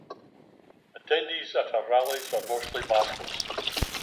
Attendees at her rallies were mostly maskless.